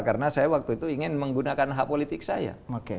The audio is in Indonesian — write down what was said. karena saya waktu itu ingin menggunakan hak politik saya